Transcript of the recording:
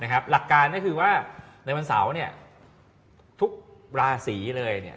หลักการก็คือว่าในวันเสาร์ทุกราศีเลย